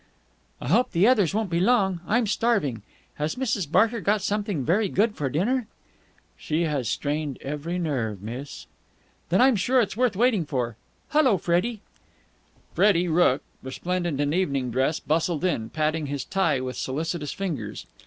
"I hope the others won't be long. I'm starving. Has Mrs. Barker got something very good for dinner?" "She has strained every nerve, miss." "Then I'm sure it's worth waiting for. Hullo, Freddie." Freddie Rooke, resplendent in evening dress, bustled in, patting his tie with solicitous fingers.